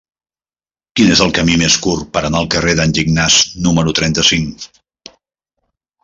Quin és el camí més curt per anar al carrer d'en Gignàs número trenta-cinc?